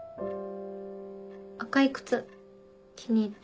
赤い靴気に入った。